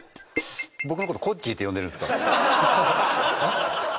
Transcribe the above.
僕の事コッジーって呼んでるんですか？